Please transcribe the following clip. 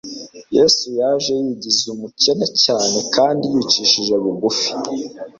Yesu yaje yigize umukene cyane kandi yicishije bugufi